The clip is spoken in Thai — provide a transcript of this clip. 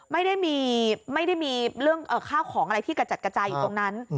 ไม่ได้มีเรื่องข้าวของอะไรที่กระจัดกระจายอยู่ตรงนั้น